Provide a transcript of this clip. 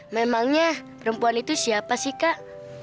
memangnya perempuan itu siapa sih kak